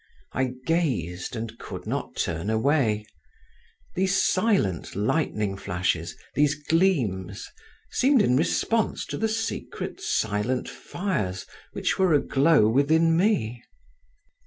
I gazed, and could not turn away; these silent lightning flashes, these gleams seemed in response to the secret silent fires which were aglow within me.